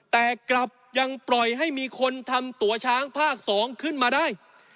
แต่กลับยังปล่อยให้มีคนทำตัวช้างภาค๒ขึ้นมาได้